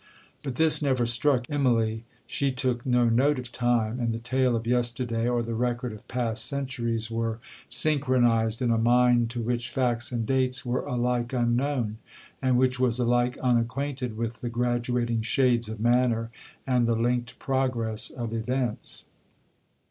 But this never struck Immalee; she took 'no note of time;' and the tale of yesterday, or the record of past centuries, were synchronized in a mind to which facts and dates were alike unknown; and which was alike unacquainted with the graduating shades of manner, and the linked progress of events.